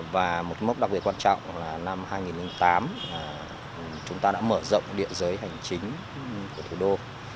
và một mốc đặc biệt quan trọng là năm hai nghìn tám chúng ta đã mở rộng địa giới hành chính của thủ đô